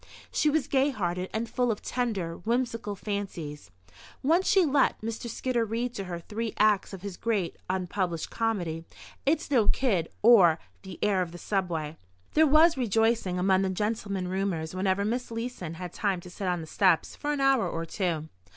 She was gay hearted and full of tender, whimsical fancies. Once she let Mr. Skidder read to her three acts of his great (unpublished) comedy, "It's No Kid; or, The Heir of the Subway." There was rejoicing among the gentlemen roomers whenever Miss Leeson had time to sit on the steps for an hour or two.